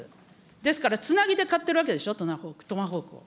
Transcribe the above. ですから、つなぎで買ってるわけでしょ、トマホークを。